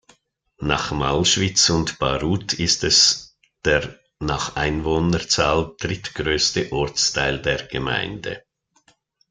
Nach Malschwitz und Baruth ist es der nach Einwohnerzahl drittgrößte Ortsteil der Gemeinde.